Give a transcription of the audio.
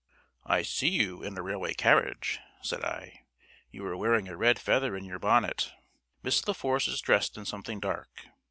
"I see you in a railway carriage," said I. "You are wearing a red feather in your bonnet. Miss La Force is dressed in something dark.